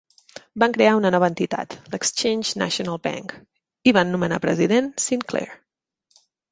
Van crear una nova entitat, l'Exchange National Bank, i van nomenar president Sinclair.